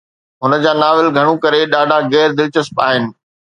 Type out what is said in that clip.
هن جا ناول، گهڻو ڪري، ڏاڍا غير دلچسپ آهن.